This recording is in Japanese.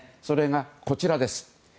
それが、こちらです。